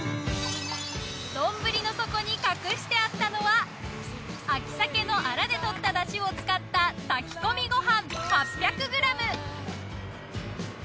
丼の底に隠してあったのは秋鮭のアラでとった出汁を使った炊き込みご飯８００ｇ。